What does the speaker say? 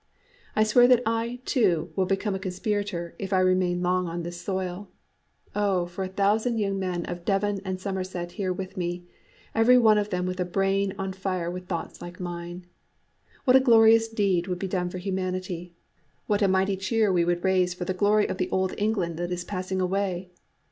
"I swear that I, too, will become a conspirator if I remain long on this soil. Oh, for a thousand young men of Devon and Somerset here with me, every one of them with a brain on fire with thoughts like mine! What a glorious deed would be done for humanity! What a mighty cheer we would raise for the glory of the old England that is passing away!